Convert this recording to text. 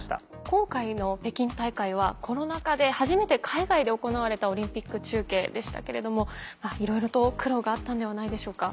今回の北京大会はコロナ禍で初めて海外で行われたオリンピック中継でしたけれどもいろいろと苦労があったんではないでしょうか？